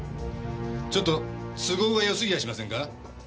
ちょっと都合がよすぎやしませんか？